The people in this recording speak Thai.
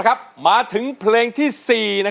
กลับไปก่อนที่สุดท้าย